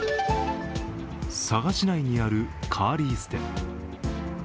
佐賀市内にあるカーリース店。